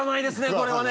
これはね